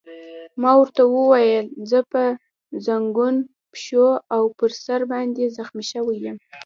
ما ورته وویل: زه په زنګون، پښو او پر سر باندې زخمي شوی یم.